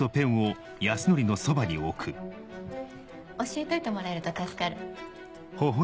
教えといてもらえると助かる。